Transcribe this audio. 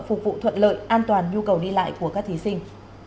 phục vụ thuận lợi an toàn nhu cầu đi lại của các thí sinh